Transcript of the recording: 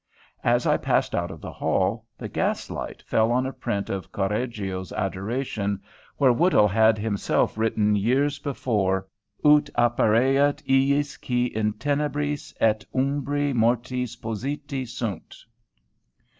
As I passed out of the hall, the gas light fell on a print of Correggio's Adoration, where Woodhull had himself written years before, "Ut appareat iis qui in tenebris et umbra mortis positi sunt."